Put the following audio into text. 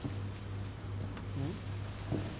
うん？